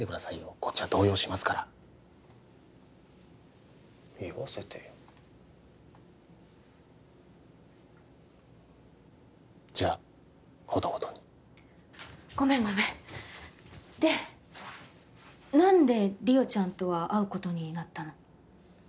こっちは動揺しますから言わせてよじゃあほどほどにごめんごめんで何で莉桜ちゃんとは会うことになったの？